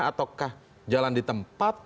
ataukah jalan di tempat